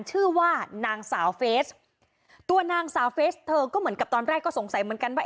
ชื่อว่านางสาวเฟสตัวนางสาวเฟสเธอก็เหมือนกับตอนแรกก็สงสัยเหมือนกันว่า